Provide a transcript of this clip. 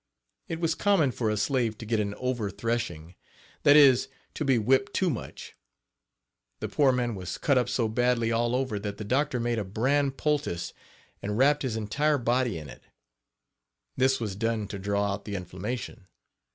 It was common for a slave to get an "over threshing," that is, to be whipped too much. The poor man was cut up so badly all over that the doctor made a bran poultice and wrapped his entire body in it. This was done to draw out the inflammation.